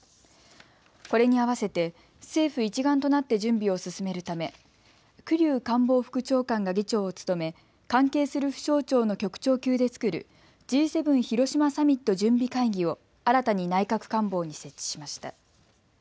これに合わせて政府一丸となって準備を進めるため栗生官房副長官が議長を務め関係する府省庁の局長級で作るＧ７広島サミット準備会議を新たに内閣官房に設置しました。